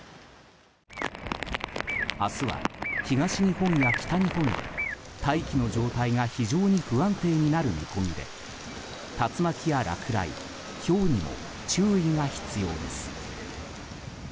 明日は、東日本や北日本で大気の状態が非常に不安定になる見込みで竜巻や落雷、ひょうにも注意が必要です。